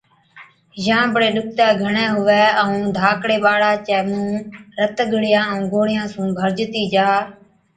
يان بڙي ڏُکتَي گھڻَي هُوَي ائُون ڌاڪڙي ٻاڙا چَي مُونه رت ڳڙِيان ائُون گوڙهِيان سُون ڀرجتِي جا